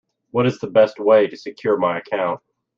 What is the best way to secure my account?